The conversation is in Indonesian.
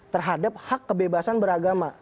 terhadap hak kebebasan beragama